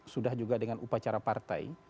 sudah juga dengan upacara partai